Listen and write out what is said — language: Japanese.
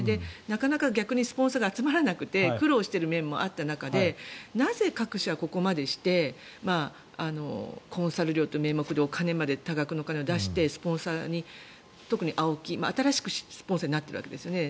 なかなか逆にスポンサーが集まらなくて苦労している面もあった中でなぜ、各社はここまでしてコンサル料という名目で多額のお金を出してスポンサーに特にＡＯＫＩ新しくスポンサーになっているわけですよね。